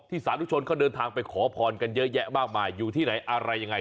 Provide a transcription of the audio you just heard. สาธุชนเขาเดินทางไปขอพรกันเยอะแยะมากมายอยู่ที่ไหนอะไรยังไง